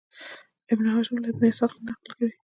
ابن هشام له ابن اسحاق نه نقل کوي.